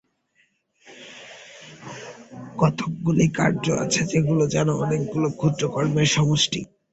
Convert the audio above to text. কতকগুলি কার্য আছে, সেগুলি যেন অনেক ক্ষুদ্র ক্ষুদ্র কর্মের সমষ্টি।